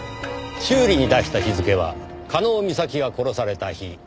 修理に出した日付は加納美咲が殺された日。